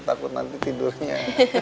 takut nanti tidurnya